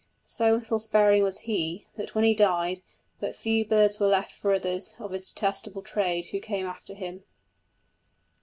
So little sparing was he, that when he died, but few birds were left for others of his detestable trade who came after him.